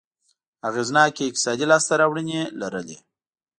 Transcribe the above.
اغېزناکې اقتصادي لاسته راوړنې لرلې.